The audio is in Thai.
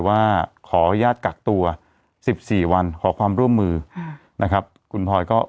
ว่าขออนุญาตกักตัว๑๔วันขอความร่วมมือนะครับคุณพลอยก็